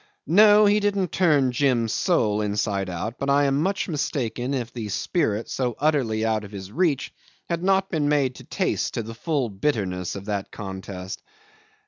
No, he didn't turn Jim's soul inside out, but I am much mistaken if the spirit so utterly out of his reach had not been made to taste to the full the bitterness of that contest.